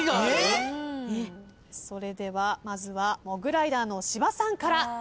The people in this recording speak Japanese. それではまずはモグライダーの芝さんから。